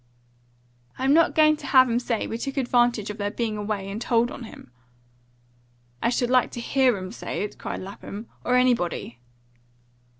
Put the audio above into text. "I'm not going to have 'em say we took an advantage of their being away and tolled him on." "I should like to HEAR 'em say it!" cried Lapham. "Or anybody!"